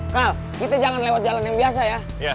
kang kita jangan lewat jalan yang biasa ya